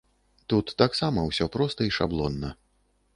Тут таксама ўсё проста і шаблонна.